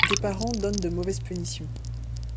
Des parents donnent de mauvaises punitions.